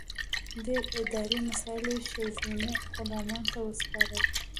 ډېر اداري مسایل یې ښځینه غلامانو ته وسپارل.